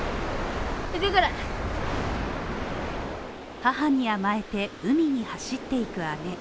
母に甘えて海に走っていく姉